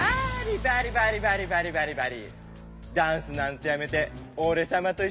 バリバリバリバリバリ。